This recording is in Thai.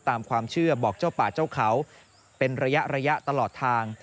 ตามความเชื่อบอกเจ้าป่าเจ้าเขาเป็นระยะระยะตลอดทาง